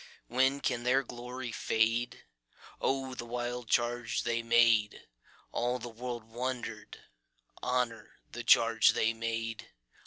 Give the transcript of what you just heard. When can their glory fade?O the wild charge they made! All the world wonder'd. Honor the charge they made!